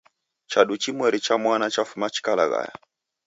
Chadu chimweri cha mwana chafuma chikalaghaya